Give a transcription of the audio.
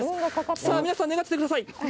さあ、皆さん、願っててください。